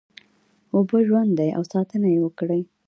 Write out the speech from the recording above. اوبه ژوند دی او ساتنه یې وکړی